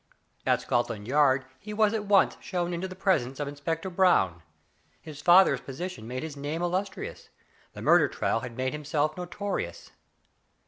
At Scotland Yard he was at once shown into the presence of Inspector Brown. His father's position made his name illustrious; the murder trial had made himself notorious.